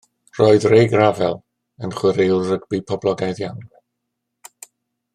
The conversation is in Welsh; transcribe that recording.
Roedd Ray Gravell yn chwaraewr rygbi poblogaidd iawn.